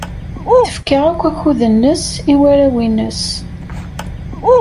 Tefka akk akud-nnes i warraw-nnes.